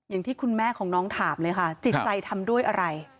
อย่างที่คุณแม่ของน้องถามเลยค่ะจิตใจทำด้วยอะไร